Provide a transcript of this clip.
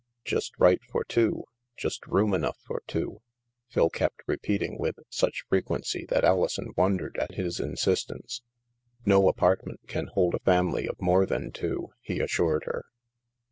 " Just right for two ; just room enough for two," Phil kept repeating with such frequency that Alison wondered at his insistence. " No apartment can hold a family of more than two," he assured her.